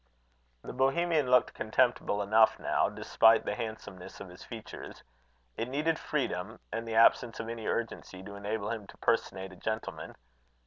The Bohemian looked contemptible enough now, despite the handsomeness of his features. It needed freedom, and the absence of any urgency, to enable him to personate a gentleman.